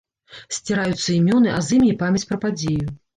Сціраюцца імёны, а з імі і памяць пра падзею.